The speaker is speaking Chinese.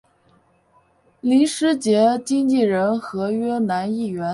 林师杰经理人合约男艺员。